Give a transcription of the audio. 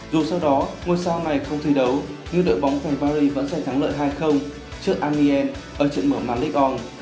dù sau đó ngôi sao này không thi đấu nhưng đội bóng thầy paris vẫn sẽ thắng lợi hai trước allianz ở trận mở mali on